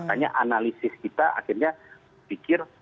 makanya analisis kita akhirnya pikir